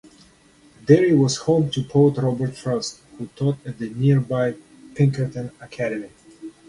Derry was home to poet Robert Frost, who taught at nearby Pinkerton Academy.